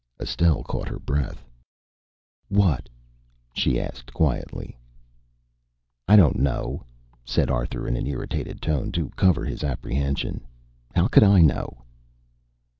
_" Estelle caught her breath. "What?" she asked quietly. "I don't know," said Arthur in an irritated tone, to cover his apprehension. "How could I know?"